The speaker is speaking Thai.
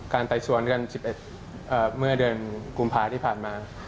ไต่สวนกัน๑๑เมื่อเดือนกุมภาที่ผ่านมา